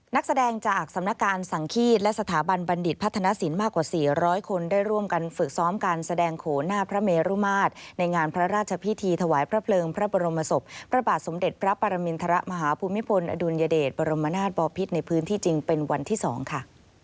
นักแสดงจากสำนักการสังฆีตและสถาบันบัณฑิตพัฒนศิลป์มากกว่า๔๐๐คนได้ร่วมกันฝึกซ้อมการแสดงโขนหน้าพระเมรุมาตรในงานพระราชพิธีถวายพระเพลิงพระบรมศพพระบาทสมเด็จพระปรมินทรมาฮภูมิพลอดุลยเดชบรมนาศบอพิษในพื้นที่จริงเป็นวันที่๒ค่ะ